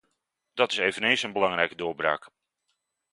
Dat is eveneens een belangrijke doorbraak.